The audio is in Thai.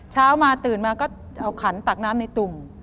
เช้ามาตื่นมาก็เอาขันตักน้ำในตุ่ม